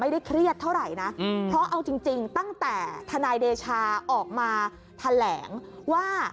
เครียดเท่าไหร่นะเพราะเอาจริงตั้งแต่ทนายเดชาออกมาแถลงว่า